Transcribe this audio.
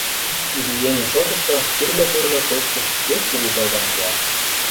— Гигиене шотышто тӱрлӧ-тӱрлӧ кочкыш пеш кугу пайдам пуа.